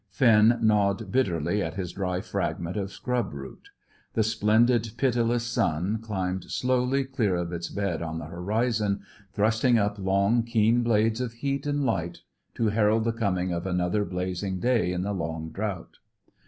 Finn gnawed bitterly at his dry fragment of scrub root. The splendid pitiless sun climbed slowly clear of its bed on the horizon, thrusting up long, keen blades of heat and light to herald the coming of another blazing day in the long drought.